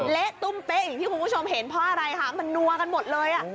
เล๊ะตุ้มเป๊ะเห็นเพราะอะไรคะมันหนัวกันหมดเลย